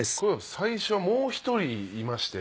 最初はもう１人いまして。